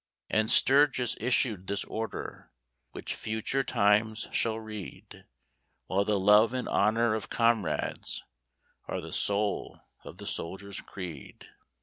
And Sturgis issued this order, Which future times shall read, While the love and honor of comrades Are the soul of the soldier's creed.